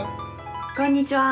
こんにちは！